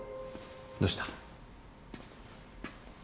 どうした？